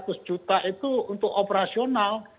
jadi seratus juta itu untuk operasional